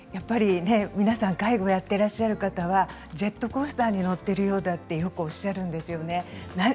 皆さん介護をやってらっしゃる方はジェットコースターに乗っているようだとよくおっしゃるんですね。